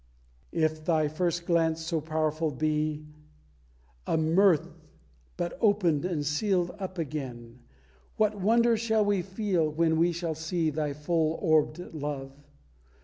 If Thy first glance so powerful be A mirth but opened and sealed up again, What wonders shall we feel when we shall see Thy full orbed love!